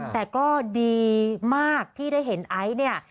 แต่ก็ดีมากที่ได้เห็นไอซ์เนี่ย